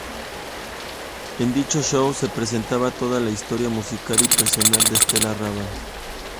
En dicho show se presentaba toda la historia musical y personal de Estela Raval.